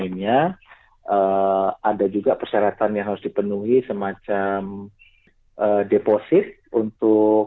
biasanya ada juga persyaratan yang harus dipenuhi semacam deposit